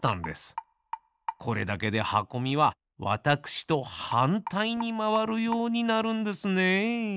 これだけではこみはわたくしとはんたいにまわるようになるんですね。